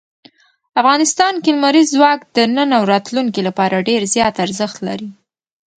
افغانستان کې لمریز ځواک د نن او راتلونکي لپاره ډېر زیات ارزښت لري.